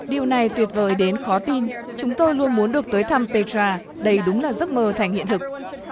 điều này tuyệt vời đến khó tin chúng tôi luôn muốn được tới thăm petra đây đúng là giấc mơ thành hiện thực